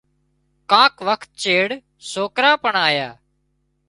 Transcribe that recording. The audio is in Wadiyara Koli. ڪانڪ وکت چيڙ سوڪرا پڻ آيا